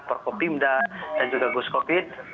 prokopimda dan juga gus kopit